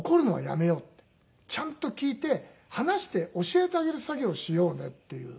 ちゃんと聞いて話して教えてあげる作業をしようねっていう。